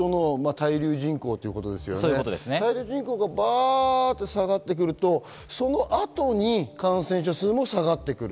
滞留人口がばっと下がってくると、その後に感染者数も下がってくる。